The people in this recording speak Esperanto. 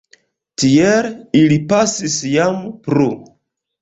Tiel ili pasis jam plu.